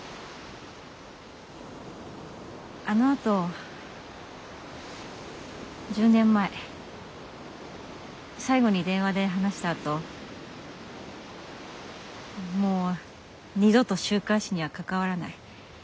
あのあと１０年前最後に電話で話したあともう二度と週刊誌には関わらない。